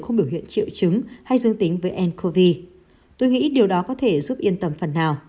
không biểu hiện triệu chứng hay dương tính với ncov tôi nghĩ điều đó có thể giúp yên tâm phần nào